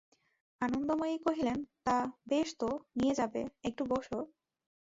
আনন্দময়ী কহিলেন, তা, বেশ তো, নিয়ে যাবে, একটু বোসো।